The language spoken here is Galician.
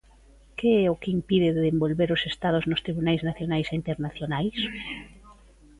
Que é o que impide de envolver os Estados nos tribunais nacionais e internacionais?